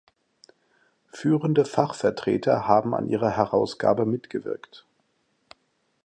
Führende Fachvertreter haben an ihrer Herausgabe mitgewirkt.